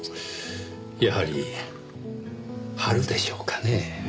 やはり春でしょうかねぇ。